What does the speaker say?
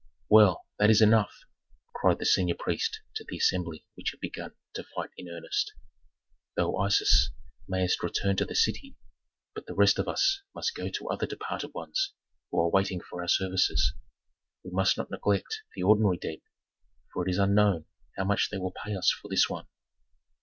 "Well, that is enough!" cried the senior priest to the assembly which had begun to fight in earnest. "Thou, Isis, mayest return to the city, but the rest of us must go to other departed ones who are waiting for our services. We must not neglect the ordinary dead, for it is unknown how much they will pay us for this one."